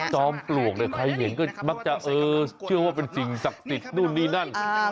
ซ้อมปลวกใครเห็นก็บอกว่าเป็นสักสิทธิ์นู่นนี่นั่น